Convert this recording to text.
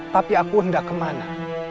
tapi aku hendak kemana